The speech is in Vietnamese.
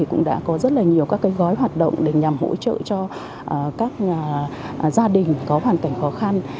cũng đã có rất là nhiều các gói hoạt động để nhằm hỗ trợ cho các gia đình có hoàn cảnh khó khăn